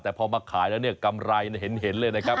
แต่พอมาขายแล้วเนี่ยกำไรเห็นเลยนะครับ